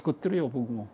僕も。